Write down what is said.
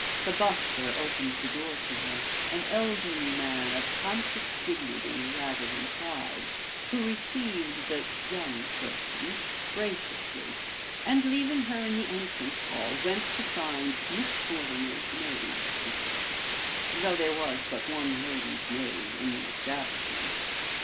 The butler opened the door to her an elderly man, of conscious dignity rather than pride, who received the "young person" graciously, and, leaving her in the entrance hall, went to find "Miss Mortimer's maid," he said, though there was but one lady's maid in the establishment.